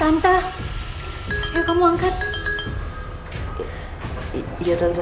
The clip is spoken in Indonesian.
kakak mainin aku cinta bukan kakak aku sakit dapat kakak takut